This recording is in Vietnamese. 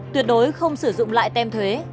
tuyệt đối không sử dụng lại tem thuế